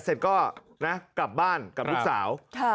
เสร็จก็นะกลับบ้านกับลูกสาว